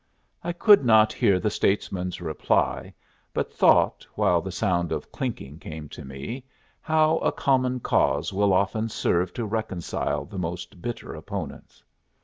I could not hear the statesman's reply, but thought, while the sound of clinking came to me, how a common cause will often serve to reconcile the most bitter opponents.